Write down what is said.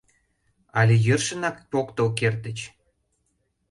Але йӧршынак поктыл кертыч?